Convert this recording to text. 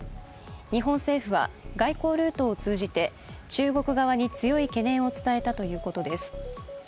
日本政府は外交ルートを通じて中国側に強い懸念を伝えたということです。